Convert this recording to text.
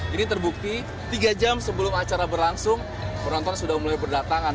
ini terbukti tiga jam sebelum acara berlangsung penonton sudah mulai berdatangan